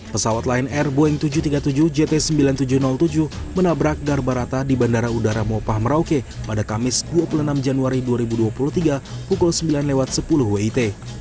pesawat lion air boeing tujuh ratus tiga puluh tujuh jt sembilan ribu tujuh ratus tujuh menabrak darbarata di bandara udara mopah merauke pada kamis dua puluh enam januari dua ribu dua puluh tiga pukul sembilan sepuluh wit